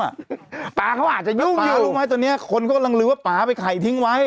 อ่ะป๊าเขาอาจจะยุ่งยุ่งป๊ารู้ไหมตัวเนี้ยคนเขากำลังลืมว่าป๊าไปไข่ทิ้งไว้